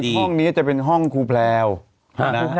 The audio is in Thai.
รู้สึกห้องนี้จะเป็นห้องครูแพรวนะ